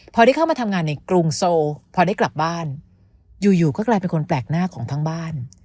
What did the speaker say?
พอได้เข้ามาทำงานในกรุงโซพอได้กลับบ้านอยู่ก็กลายเป็นคนแปลกหน้าของทั้งบ้าน